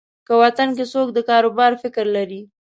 که وطن کې څوک د کاروبار فکر لري.